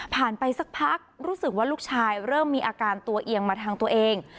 ไปสักพักรู้สึกว่าลูกชายเริ่มมีอาการตัวเอียงมาทางตัวเอง